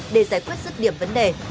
để giải quyết sức điểm vấn đề